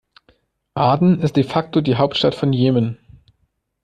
Aden ist de facto die Hauptstadt von Jemen.